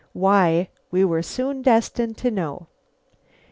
Why, we were soon destined to know.